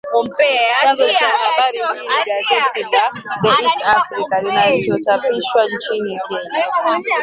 Chanzo cha habari hii ni gazeti la “The East African” linalochapishwa nchini Kenya